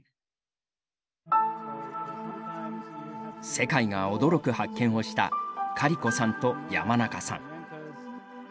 世界が驚く発見をしたカリコさんと山中さん。